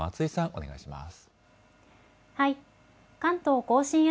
お願いします。